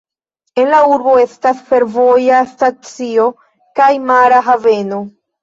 En la urbo estas fervoja stacio kaj mara haveno.